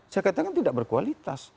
saya katakan tidak berkualitas